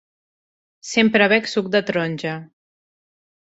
Sempre bec suc de taronja.